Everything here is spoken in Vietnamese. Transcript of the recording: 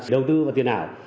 đầu tư vào tiền ảo